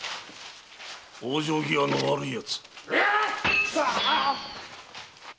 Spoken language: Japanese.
往生際の悪い奴。